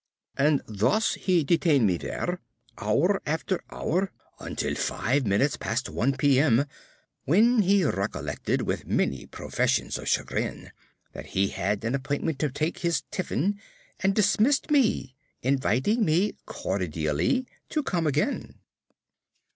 And thus he detained me there hour after hour, until five minutes past one P.M., when he recollected, with many professions of chagrin, that he had an appointment to take his tiffin, and dismissed me, inviting me cordially to come again.